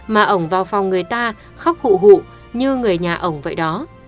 mà ổng vào phòng người ta khóc hụ hụ như người nhà ổng vậy đó